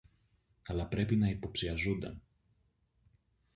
αλλά πρέπει να υποψιάζουνταν